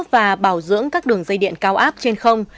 và bảo dưỡng các đường dây điện cao áp trên không